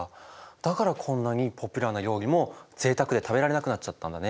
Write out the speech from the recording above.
だからこんなにポピュラーな料理もぜいたくで食べられなくなっちゃったんだね。